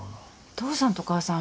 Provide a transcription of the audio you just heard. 父さんと母さん。